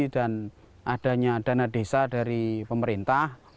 dan adanya dana desa dari pemerintah